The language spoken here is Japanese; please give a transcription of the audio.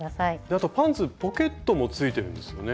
あとパンツポケットもついてるんですよね。